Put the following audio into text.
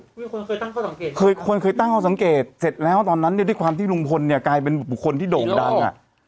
มีคนเคยตั้งข้อสังเกตเคยคนเคยตั้งข้อสังเกตเสร็จแล้วตอนนั้นเนี่ยด้วยความที่ลุงพลเนี่ยกลายเป็นบุคคลที่โด่งดังอ่ะ